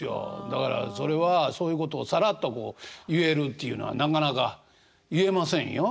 だからそれはそういうことをさらっと言えるっていうのはなかなか言えませんよ。